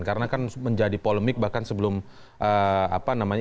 karena kan menjadi polemik bahkan sebelum apa namanya